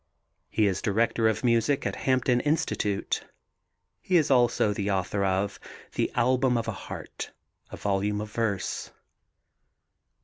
He is director of music at Hampton Institute. He is also the author of The Album of a Heart, a volume of verse.